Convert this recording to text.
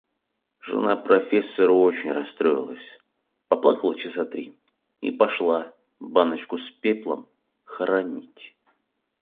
Жена профессора очень расстроилась, поплакала часа три и пошла баночку с пеплом хоронить.